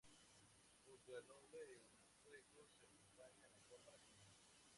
Junto al nombre en sueco se acompaña la forma latina.